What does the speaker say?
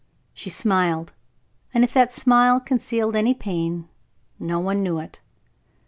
She smiled, and if that smile concealed any pain, no one knew it.